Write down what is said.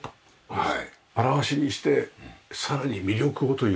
はい。